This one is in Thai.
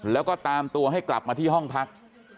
แล้วก็ตามตัวให้กลับมาที่ห้องพัก